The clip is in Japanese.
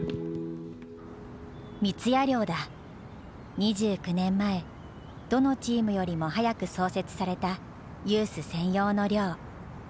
２９年前どのチームよりも早く創設されたユース専用の寮。